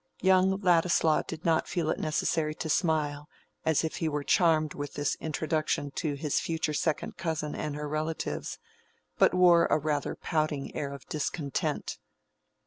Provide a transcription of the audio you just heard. Young Ladislaw did not feel it necessary to smile, as if he were charmed with this introduction to his future second cousin and her relatives; but wore rather a pouting air of discontent.